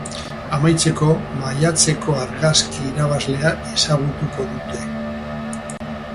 Amaitzeko, maiatzeko argazki irabazlea ezagutuko dute.